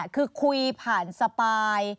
คือคุยผ่านสไปและค่อย